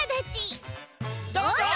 どうぞ！